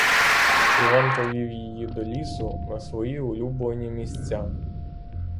Іван повів її до лісу на свої улюблені місця.